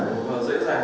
dễ dàng dễ dàng dễ dàng